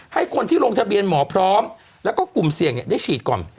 ให้คนที่ลงทะเบียนหมอพร้อมแล้วก็กลุ่มเสี่ยงได้ฉีดก่อน